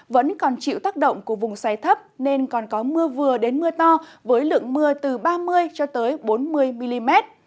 vẫn còn chịu tác động của vùng xoáy thấp nên còn có mưa vừa đến mưa to với lượng mưa từ ba mươi bốn mươi mm